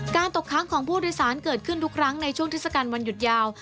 ตกค้างของผู้โดยสารเกิดขึ้นทุกครั้งในช่วงเทศกาลวันหยุดยาว